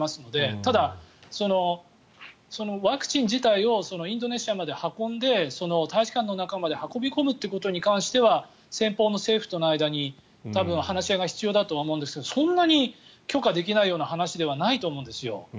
ただ、ワクチン自体をインドネシアまで運んで大使館の中まで運び込むということに関しては先方の政府との間に多分、話し合いが必要だと思いますがそんなに許可できないような話ではないと思うんですよ。